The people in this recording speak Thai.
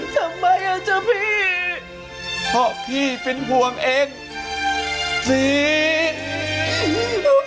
ทำไมอ่ะจ๊ะพี่เพราะพี่เป็นห่วงเองสิ